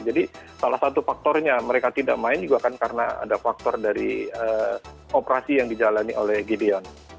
jadi salah satu faktornya mereka tidak main juga kan karena ada faktor dari operasi yang dijalani oleh gideon